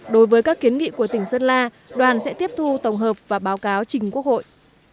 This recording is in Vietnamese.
đối với các kiến nghị của tỉnh sơn la đoàn sẽ tiếp thu tổng hợp và báo cáo trình quốc hội